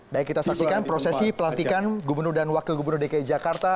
baik kita saksikan prosesi pelantikan gubernur dan wakil gubernur dki jakarta